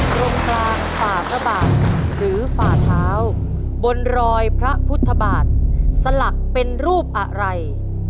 ตรงกลางฝ่าพระบาทหรือฝ่าเท้าบนรอยพระพุทธบาทสลักเป็นรูปอะไร